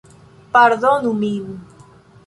Pardonu min!